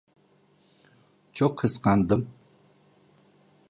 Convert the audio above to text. Çok kıskandım.